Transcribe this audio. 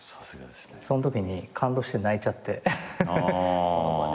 そのときに感動して泣いちゃってその場で。